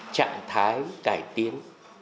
trạng thái cải tiến